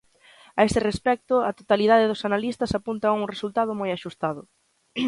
A este respecto, a totalidade dos analistas apuntan a un resultado moi axustado.